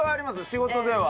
仕事では。